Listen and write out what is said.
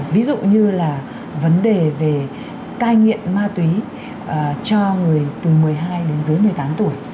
ví dụ như là vấn đề về cai nghiện ma túy cho người từ một mươi hai đến dưới một mươi tám tuổi